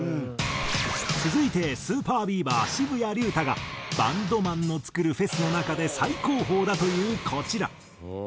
続いてＳＵＰＥＲＢＥＡＶＥＲ渋谷龍太がバンドマンの作るフェスの中で最高峰だというこちら。